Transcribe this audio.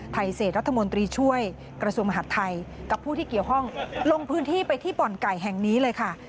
เกษตรรัฐมนตรีช่วยกระทรวงมหาดไทยกับผู้ที่เกี่ยวข้องลงพื้นที่ไปที่บ่อนไก่แห่งนี้เลยค่ะ